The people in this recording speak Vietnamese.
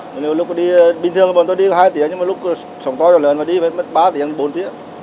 nên lúc đi bình thường bọn tôi đi có hai tiếng nhưng mà lúc sống to cho lớn nó đi mất ba tiếng bốn tiếng